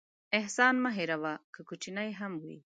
احسان مه هېروه، که کوچنی هم وي.